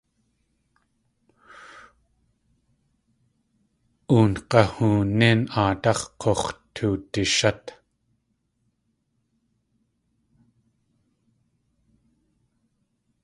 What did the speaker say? Oong̲ahoonín aadáx̲ k̲ux̲ toowdishát.